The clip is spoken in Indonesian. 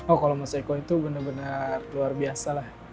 oh kalau mas eko itu benar benar luar biasa lah